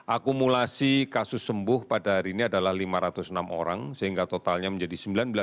akumulasi kasus sembuh pada hari ini adalah lima ratus enam orang sehingga totalnya menjadi sembilan belas dua ratus empat puluh satu